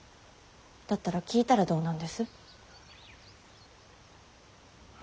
だったら聞いたらどうなんです。